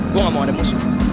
gue gak mau ada musuh